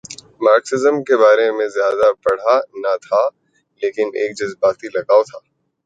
Marxism کے بارے میں زیادہ پڑھا نہ تھا لیکن ایک جذباتی لگاؤ تھا۔